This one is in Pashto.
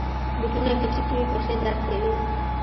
بوټونه که ټیټ وي، پښې درد کوي.